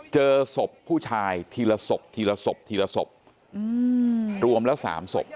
เจอศพผู้ชายทีละศพทีละศพทีละศพรวมแล้ว๓ศพ